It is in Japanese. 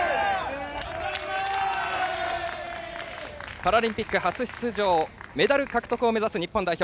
パラリンピック初出場メダル獲得を目指す日本代表。